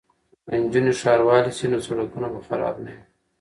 که نجونې ښاروالې شي نو سړکونه به خراب نه وي.